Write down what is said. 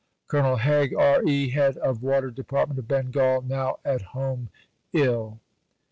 COLONEL HAIG, R.E.: Head of Water Department of Bengal; now at home ill.